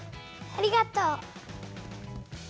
ありがとう。